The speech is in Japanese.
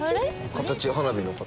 花火の形。